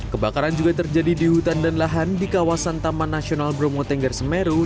kebakaran juga terjadi di hutan dan lahan di kawasan taman nasional bromo tengger semeru